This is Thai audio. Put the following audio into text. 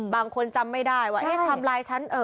บางคนจำไม่ได้ว่าทำไลน์ฉัน